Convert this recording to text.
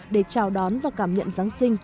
để chào đón và cảm nhận giáng sinh